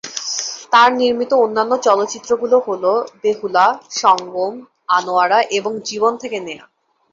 তার নির্মিত অন্যান্য চলচ্চিত্রগুলো হলো "বেহুলা", "সঙ্গম", "আনোয়ারা" এবং "জীবন থেকে নেয়া"।